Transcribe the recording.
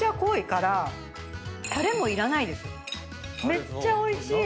めっちゃおいしい！